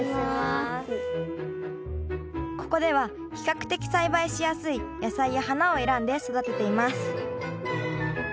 ここでは比較的栽培しやすい野菜や花を選んで育てています。